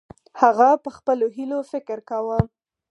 هغه په خپلو هیلو فکر کاوه.